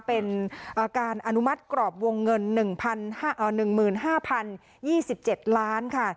เป็นการอนุมัติกรอบวงเงิน๑๕๐๒๗ล้านค่ะ